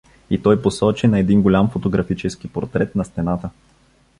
И той посочи на един голям фотографически портрет на стената.